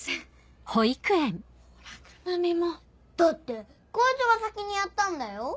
だってこいつが先にやったんだよ